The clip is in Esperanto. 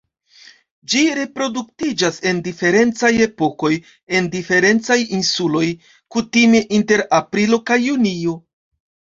Ĝi reproduktiĝas en diferencaj epokoj en diferencaj insuloj, kutime inter aprilo kaj junio.